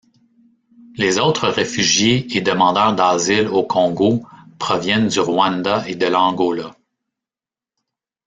Les autres réfugiés et demandeurs d'asile au Congo proviennent du Rwanda et de l'Angola.